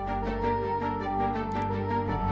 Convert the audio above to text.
oke sampai kapan